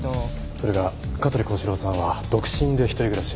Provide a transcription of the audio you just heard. それが香取孝史郎さんは独身で一人暮らし。